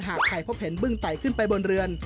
หากใครพบเห็นบึ้งไต่ขึ้นไปบนเรือน